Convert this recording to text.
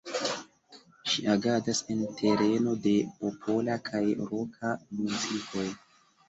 Ŝi agadas en tereno de popola kaj roka muzikoj.